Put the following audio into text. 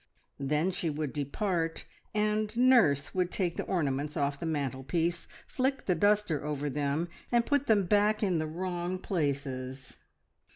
Then she would depart, and nurse would take the ornaments off the mantelpiece, flick the duster over them, and put them back in the wrong places.